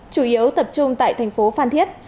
chủ yếu tập trung tại thành phố phan thiết